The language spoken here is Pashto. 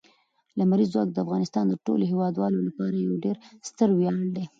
لمریز ځواک د افغانستان د ټولو هیوادوالو لپاره یو ډېر ستر ویاړ دی.